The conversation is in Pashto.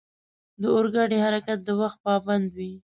د اورګاډي حرکت د وخت پابند وي.